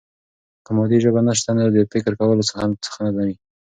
که مادي ژبه نسته، نو د فکر کولو څه نه وي.